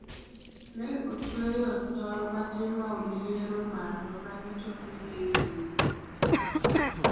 ne otweyo thol matin ma oliere malo bang'e to okete e wiye